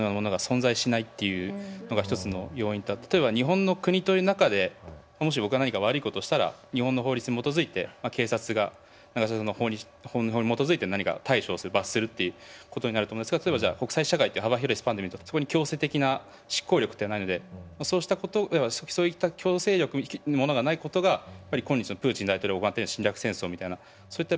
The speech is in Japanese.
僕は例えで言うと例えば日本の国という中でもし僕が何か悪いことをしたら日本の法律に基づいて警察が法に基づいて何か対処する罰するっていうことになると思うんですが例えばじゃあ国際社会っていう幅広いスパンで見るとそこに強制的な執行力ってないのでそうしたことそういった強制力というものがないことがやっぱり今日のプーチン大統領が行ってる侵略戦争みたいなそういった